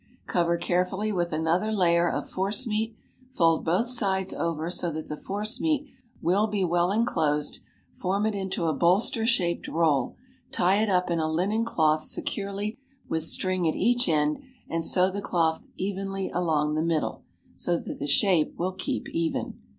Cover carefully with another layer of force meat, fold both sides over so that the force meat will be well enclosed, form it into a bolster shaped roll, tie it up in a linen cloth securely with string at each end, and sew the cloth evenly along the middle, so that the shape will keep even.